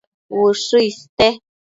Ushë iste